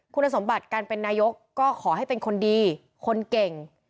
คุณสมบัติการเป็นนายกก็ขอให้เป็นคนดีคนเก่ง